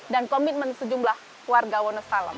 dan komitmen sejumlah warga wonosalam